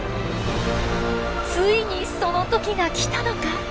ついにその時が来たのか？